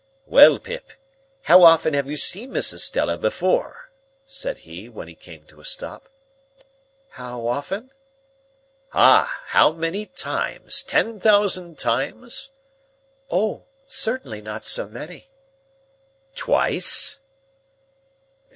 "Well, Pip! How often have you seen Miss Estella before?" said he, when he came to a stop. "How often?" "Ah! How many times? Ten thousand times?" "Oh! Certainly not so many." "Twice?"